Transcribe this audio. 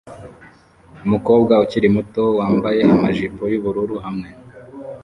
Umukobwa ukiri muto wambaye amajipo yubururu hamwe